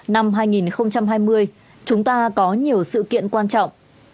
năm hai nghìn hai mươi chúng ta có nhiều sự kiện quan trọng